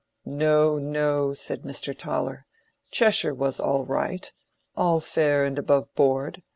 "No, no," said Mr. Toller, "Cheshire was all right—all fair and above board.